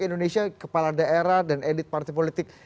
indonesia kepala daerah dan edit partai politik